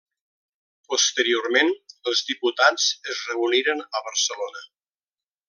Posteriorment els diputats es reuniren a Barcelona.